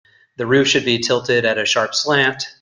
The roof should be tilted at a sharp slant.